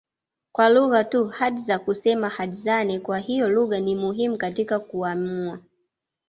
kwa lugha tu Hadza kusema Hadzane kwa hiyo lugha ni muhimu katika kuamua